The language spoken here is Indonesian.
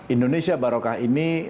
indonesia baroka ini